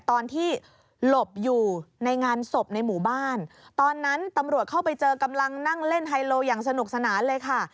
ตอนที่หลบอยู่ในงานศพในหมู่บ้านตอนนั้นตำรวจเข้าไปเจอกำลังนั่งเล่นไฮโลอย่างสนุกสนานเลยค่ะ